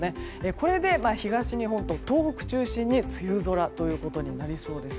これで、東日本と東北中心に梅雨空となりそうです。